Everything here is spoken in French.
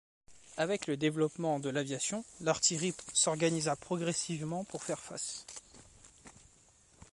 Avec le développement de l'aviation, l'artillerie s'organisa progressivement pour faire face.